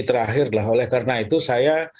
terakhir lah oleh karena itu saya